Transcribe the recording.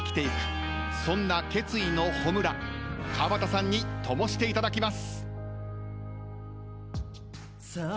そんな決意の炎川畑さんに灯していただきます。